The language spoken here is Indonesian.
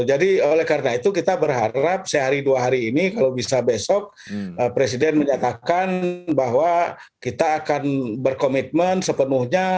jadi oleh karena itu kita berharap sehari dua hari ini kalau bisa besok presiden menyatakan bahwa kita akan berkomitmen sepenuhnya